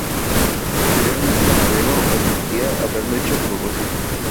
Posteriormente la modelo admitiría haberlo hecho a propósito.